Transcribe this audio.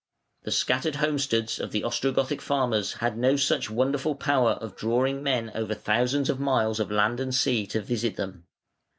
The scattered homesteads of the Ostrogothic farmers had no such wonderful power of drawing men over thousands of miles of land and sea to visit them.